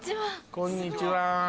こんにちは。